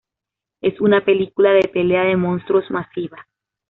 Es una película de pelea de monstruos masiva.